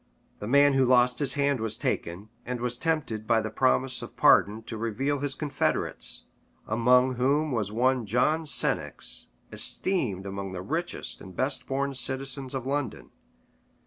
The man who lost his hand was taken; and was tempted by the promise of pardon to reveal his confederates; among whom was one John Senex, esteemed among the richest and best born citizens in London.